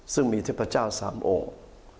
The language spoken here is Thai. ซึ่งมีเทพเจ้าสามองค์